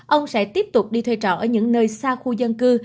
ông sẽ tiếp tục đi thuê trọ ở những nơi xa khu dân cư